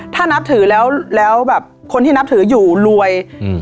ถ้านับถือแล้วแล้วแบบคนที่นับถืออยู่รวยอืม